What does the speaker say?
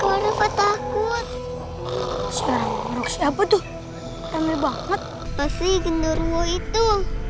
hai kau dapat takut sekarang siapa tuh temen banget pasti gendor wo itu